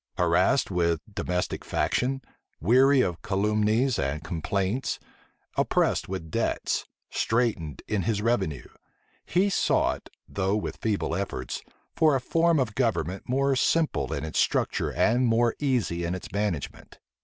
Harassed with domestic faction, weary of calumnies and complaints, oppressed with debts, straitened in his revenue, he sought, though with feeble efforts, for a form of government more simple in its structure and more easy in its management.